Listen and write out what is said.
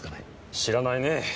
知らないね。